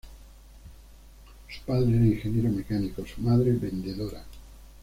Su padre era ingeniero mecánico, su madre vendedora.